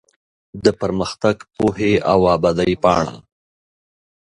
د پرمختګ ، پوهې او ابادۍ پاڼه